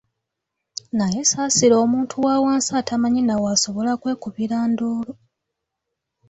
Naye saasira omuntu wa wansi atamanyi na w’asobola kwekubira nduulu!